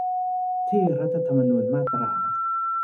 ที่รัฐธรรมนูญมาตรา